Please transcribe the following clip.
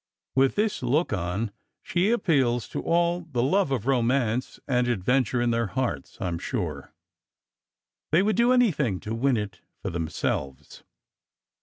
With this look on, she appeals to all the love of romance and ad venture in their hearts, I m sure. They would do any thing to win it for themselves.